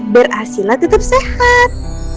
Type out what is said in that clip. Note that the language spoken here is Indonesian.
biar arsila tetap sehat